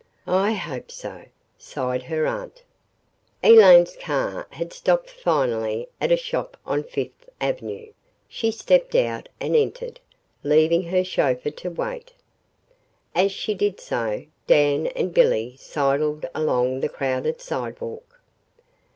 "I hope so," sighed her aunt. ........ Elaine's car had stopped finally at a shop on Fifth Avenue. She stepped out and entered, leaving her chauffeur to wait. As she did so, Dan and Billy sidled along the crowded sidewalk.